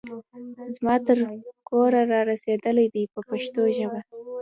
زما تر کوره را رسېدلي دي په پښتو ژبه.